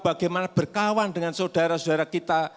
bagaimana berkawan dengan saudara saudara kita